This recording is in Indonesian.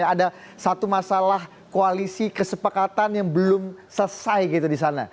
ada satu masalah koalisi kesepakatan yang belum selesai gitu di sana